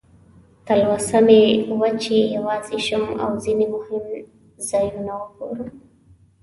تلوسه مې وه چې یوازې شم او ځینې مهم ځایونه وګورم.